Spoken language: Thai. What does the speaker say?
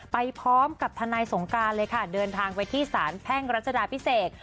ไปพร้อมกับทนายสงการเลยค่ะเดินทางไปที่สารแพ่งรัชดาพิเศษ